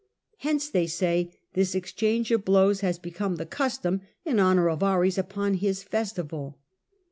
Hence, they say, this exchange of blows has become the custom in honour of Ares upon his festival.